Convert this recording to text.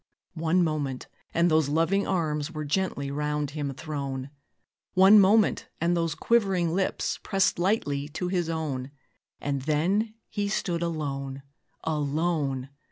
One moment, and those loving arms Were gently round him thrown; One moment, and those quivering lips Pressed lightly to his own: And then he stood alone! _alone!